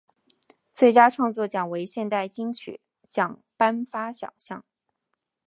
最佳创作奖为现行金曲奖颁发奖项。